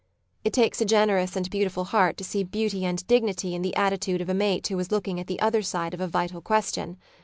It takes a generous and beautiful heart to see beauty and dignity in the attitude of a mate who is looking at the other side of a vital question.